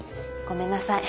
ごめんなさい。